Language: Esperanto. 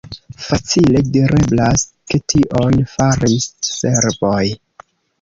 Facile direblas, ke tion faris serboj.